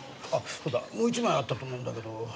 そうだもう一枚あったと思うんだけど。